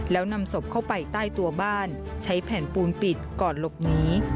แล้วนำศพเข้าไปใต้ตัวบ้านใช้แผ่นปูนปิดก่อนหลบหนี